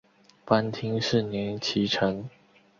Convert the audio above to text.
藩厅是尼崎城。